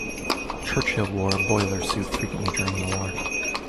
Churchill wore a boiler suit frequently during the war